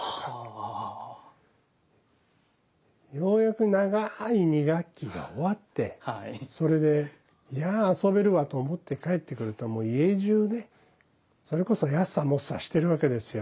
ようやく長い２学期が終わってそれでいやあ遊べるわと思って帰ってくるともう家じゅうねそれこそやっさもっさしてるわけですよ。